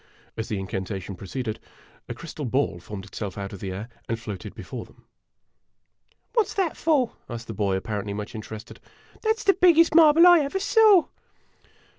As the incantation proceeded, a crystal ball formed it self out of the air and floated before them. "What 's that for?" asked the boy, apparently much interested. " That 's the biggest marble I ever saw